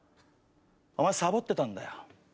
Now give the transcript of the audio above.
お前サボってたんだよ。